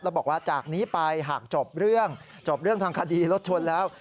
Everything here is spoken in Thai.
แล้วบอกว่าจากนี้ไปหากจบเรื่องจบเรื่องทางคดีรถชนแล้ว